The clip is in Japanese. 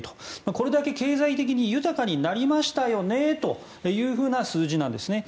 これだけ経済的に豊かになりましたよねという数字なんですね。